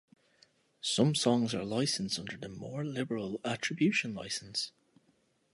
Some songs are licensed under the more liberal Attribution license.